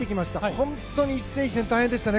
本当に一戦一戦、大変でしたね